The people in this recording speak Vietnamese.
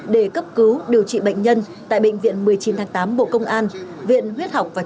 để cấp cứu điều trị bệnh nhân tại bệnh viện một mươi chín tháng tám bộ công an viện huyết học và